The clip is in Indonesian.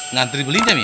ngantri belin jami